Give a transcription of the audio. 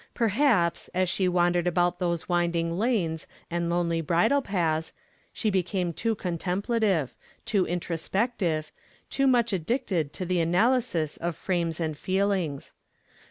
Perhaps, as she wandered about those winding lanes and lonely bridle paths, she became too contemplative, too introspective, too much addicted to the analysis of frames and feelings.